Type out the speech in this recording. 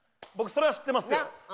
それは知ってますよ。